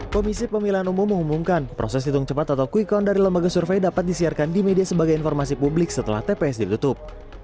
komisi pemilihan umum mengumumkan proses hitung cepat atau quick count dari lembaga survei dapat disiarkan di media sebagai informasi publik setelah tps ditutup